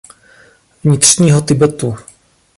Vnitřního Tibetu.